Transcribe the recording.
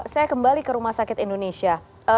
saya kembali ke rumah sakit indonesia